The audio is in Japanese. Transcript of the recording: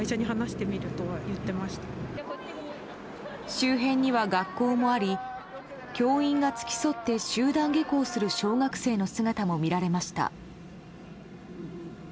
周辺には学校もあり教員が付き添って集団下校する小学生の姿も見られました。